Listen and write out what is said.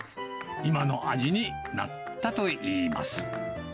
今の味になったといいます。